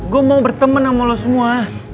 gue mau berteman sama lo semua